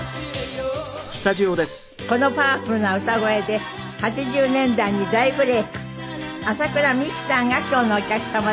このパワフルな歌声で８０年代に大ブレーク麻倉未稀さんが今日のお客様です。